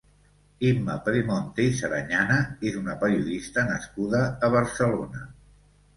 Imma Pedemonte i Sarañana és una periodista nascuda a Barcelona.